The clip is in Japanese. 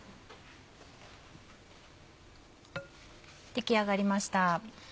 出来上がりました。